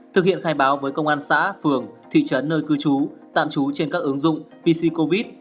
thực hiện khai báo với công an xã phường thị trấn nơi cư trú tạm trú trên các ứng dụng pc covid